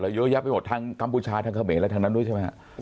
เยอะแยะไปหมดทางกัมพูชาทางเขมรและทางนั้นด้วยใช่ไหมครับ